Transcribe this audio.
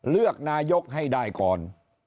เลือกนายกให้ได้ก่อน